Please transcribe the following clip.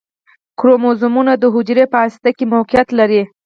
کروموزومونه د حجرې په هسته کې موقعیت لري